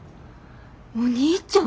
お兄ちゃん？